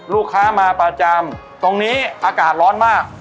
ลูกค้ามาประจำตรงนี้อากาศร้อนมาก